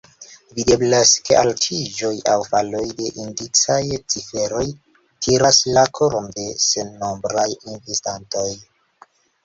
Videblas, ke altiĝoj aŭ faloj de indicaj ciferoj tiras la koron de sennombraj investantoj.